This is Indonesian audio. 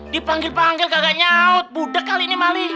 dipanggil panggil kagak nyaut budak kali ini mali